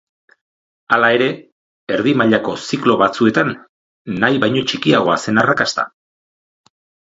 Hala ere, erdi-mailako ziklo batzuetan nahi baino txikiagoa zen arrakasta.